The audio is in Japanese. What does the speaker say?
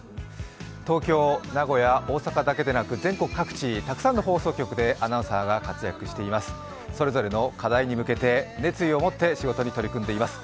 東京、名古屋、大阪だけでなく全国各地、たくさんの放送局でアナウンサーが活躍しています。